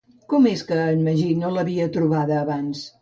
Com és que en Magí no l'havia trobada abans?